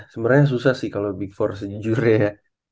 sebenarnya susah sih kalau big for sejujurnya ya